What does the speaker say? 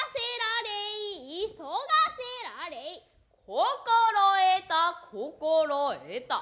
心得た心得た。